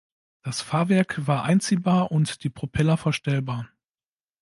Das Fahrwerk war einziehbar und die Propeller verstellbar.